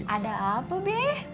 ada apa be